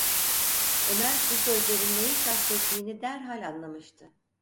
Ömer bu sözlerin neyi kastettiğini derhal anlamıştı.